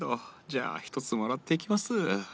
じゃあ１つもらっていきます。